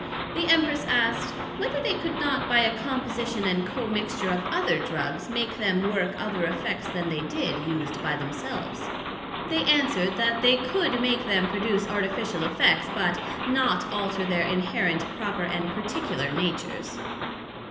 The Empress asked, Whether they could not by a composition and commixture of other Drugs make them work other effects then they did, used by themselves? They answered, That they could make them produce artificial effects, but not alter their inherent, proper and particular natures.